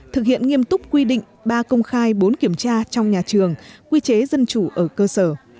thực hiện nghiêm túc quy định ba công khai bốn kiểm tra trong nhà trường quy chế dân chủ ở cơ sở